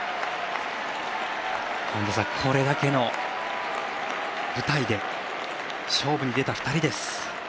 これだけの舞台で勝負に出た２人です。